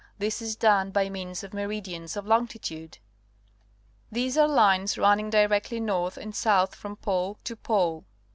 This is done by means of Meridians of Longitude. These are lines running directly north and south from pole to pole.